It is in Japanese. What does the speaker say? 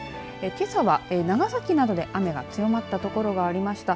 けさは長崎などで雨が強まった所がありました。